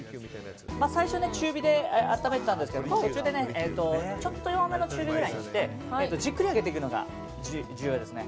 最初、中火で温めていたんですけども途中でちょっと弱めの中火ぐらいにしてじっくり揚げていくのが重要ですね。